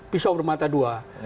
pisau bermata dua